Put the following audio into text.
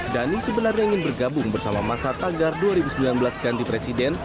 dhani sebenarnya ingin bergabung bersama masa tagar dua ribu sembilan belas ganti presiden